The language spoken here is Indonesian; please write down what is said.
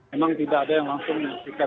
memang tidak ada yang langsung menyaksikan